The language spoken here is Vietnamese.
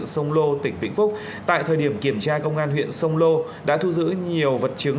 sông lô tỉnh vĩnh phúc tại thời điểm kiểm tra công an huyện sông lô đã thu giữ nhiều vật chứng